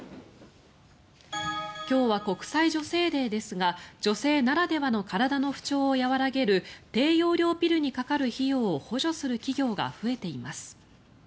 今日は国際女性デーですが女性ならではの体の不調を和らげる低用量ピルにかかる費用を補助する企業が増えています。